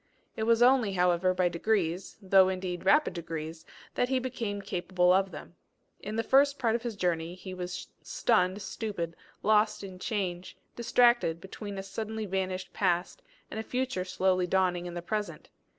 It was only, however, by degrees, though indeed rapid degrees, that he became capable of them. In the first part of his journey he was stunned, stupid, lost in change, distracted between a suddenly vanished past, and a future slow dawning in the present.